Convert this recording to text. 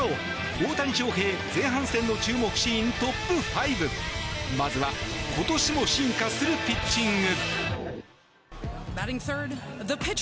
大谷翔平、前半戦の注目シーントップ５まずは今年も進化するピッチング。